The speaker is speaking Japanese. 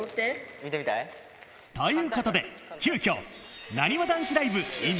見てみたい？ということで急きょなにわ男子ライブｉｎ